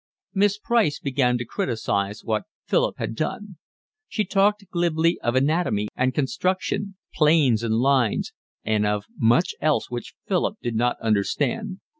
Miss Price began to criticise what Philip had done. She talked glibly of anatomy and construction, planes and lines, and of much else which Philip did not understand.